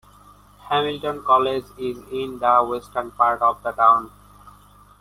Hamilton College is in the western part of the town.